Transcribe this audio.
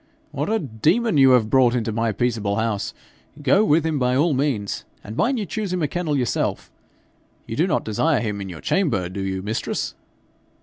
'What a demon you have brought into my peaceable house! Go with him, by all means. And mind you choose him a kennel yourself. You do not desire him in your chamber, do you, mistress?'